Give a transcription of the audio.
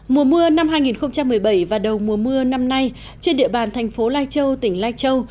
mùa mưa năm hai nghìn một mươi bảy và đầu mùa mưa năm nay trên địa bàn thành phố lai châu tỉnh lai châu